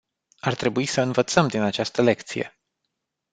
Ar trebui să învățăm din această lecție.